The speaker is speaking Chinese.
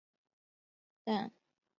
但噶厦未恢复其呼图克图封号。